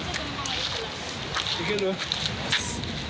いける？